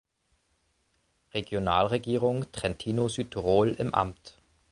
Regionalregierung Trentino-Südtirol im Amt.